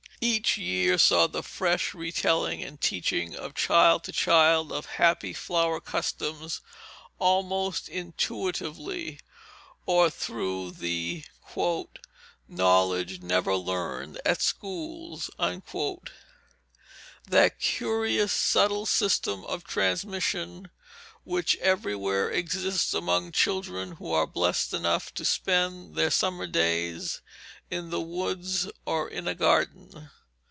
Each year saw the fresh retelling and teaching of child to child of happy flower customs almost intuitively, or through the "knowledge never learned at schools," that curious subtle system of transmission which everywhere exists among children who are blessed enough to spend their summer days in the woods or in a garden.